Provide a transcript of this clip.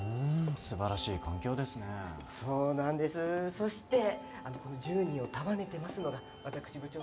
そしてこの１０人を束ねてますのが私部長の。